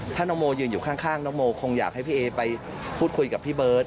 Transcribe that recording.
ถ้าน้องโมยืนอยู่ข้างน้องโมคงอยากให้พี่เอไปพูดคุยกับพี่เบิร์ต